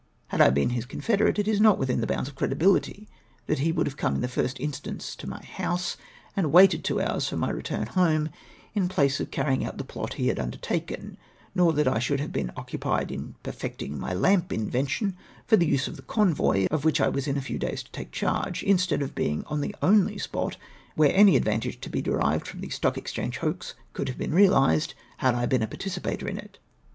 Had I been his confederate, it is not within the bounds of credibihty that he would have come in the first instance to my house, and waited two hours for my return home, in place of carrying out the plot he had undertaken, or that I should have been occupied in perfecting my lamp invention for the use of the convoy of which I was in a few days to take charge, mstead of being on the only spot where any advantage to be derived from the Stock Exchange hoax could be reahsed, had I been a participator in it.